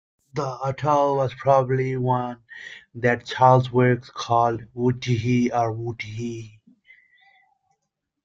This atoll was probably the one that Charles Wilkes called "Wytoohee" or "Wutoohee".